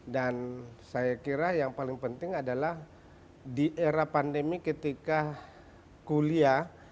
dan saya kira yang paling penting adalah di era pandemi ketika kuliah